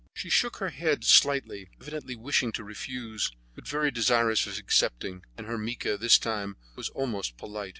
She shook her head slightly, evidently wishing to refuse, but very desirous of accepting, and her mica this time was almost polite.